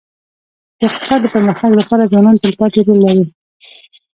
د اقتصاد د پرمختګ لپاره ځوانان تلپاتې رول لري.